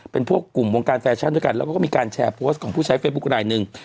เป็นพวกกลุ่มวงการแฟชั่นด้วยกันแล้วก็มีการแชร์โพสต์ของผู้ใช้เฟซบุ๊คลายหนึ่ง